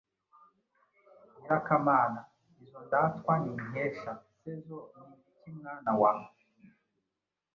Nyirakamana: Izo Ndatwa n’Inkesha se zo ni ibiki mwana wa?